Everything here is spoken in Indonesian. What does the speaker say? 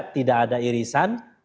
tidak ada irisan